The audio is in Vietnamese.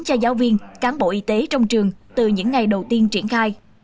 cho giáo viên cán bộ y tế trong trường từ những ngày đầu tiên triển khai